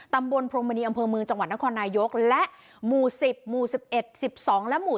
พรมมณีอำเภอเมืองจังหวัดนครนายกและหมู่๑๐หมู่๑๑๑๒และหมู่